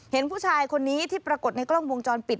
เห็นผู้ชายคนนี้ที่ปรากฏในกล้องวงจรปิด